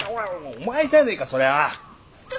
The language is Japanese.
お前じゃねえかそれは。